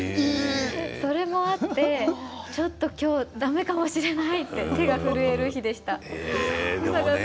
それもあってちょっと今日だめかもしれないと手が震える日でした。